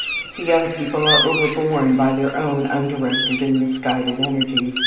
The young people are overborne by their own undirected and misguided energies.